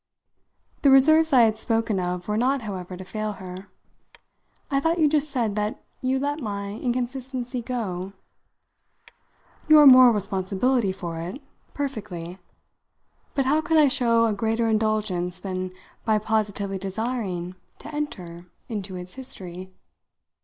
The reserves I had spoken of were not, however, to fail her. "I thought you just said that you let my inconsistency go." "Your moral responsibility for it perfectly. But how can I show a greater indulgence than by positively desiring to enter into its history?